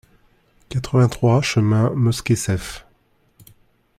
quatre-vingt-trois chemin Mosquée Cefe